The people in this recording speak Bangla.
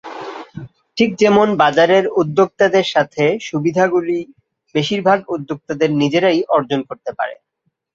ঠিক যেমন বাজারের উদ্যোক্তাদের সাথে, সুবিধাগুলি বেশিরভাগ উদ্যোক্তাদের নিজেরাই অর্জন করতে পারে।